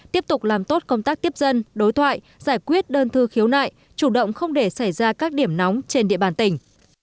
tiếp tục làm tốt công tác tiếp dân đối thoại giải quyết đơn thư khiếu nại chủ động không để xảy ra các điểm nóng trên địa bàn tỉnh